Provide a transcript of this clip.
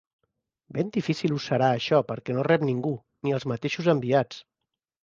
Ben difícil us serà això perquè no rep ningú, ni als mateixos enviats.